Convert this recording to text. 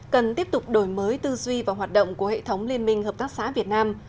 cần tiếp tục đổi mới tư duy và hoạt động của hệ thống liên minh hợp tác xã việt nam